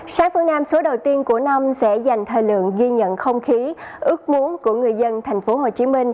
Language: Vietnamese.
sáng phương nam số đầu tiên của năm sẽ dành thời lượng ghi nhận không khí ước muốn của người dân tp hcm